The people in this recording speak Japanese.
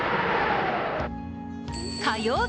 火曜日